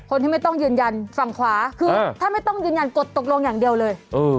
คนที่ไม่ต้องยืนยันฝั่งขวาคือถ้าไม่ต้องยืนยันกดตกลงอย่างเดียวเลย